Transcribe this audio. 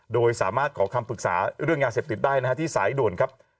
โดยสามารถขอคำฝึกษาเรื่องยาเส็บติดได้ในที่สายด่วน๑๑๖๕